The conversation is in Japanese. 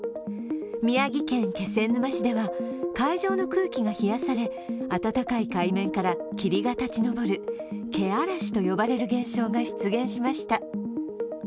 宮城県気仙沼市では海上の空気が冷やされ温かい海面から霧が立ち上る気嵐と呼ばれる現象が出現しました。